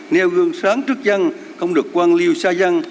nêu gương sáng trước dân không được quan liêu xa dân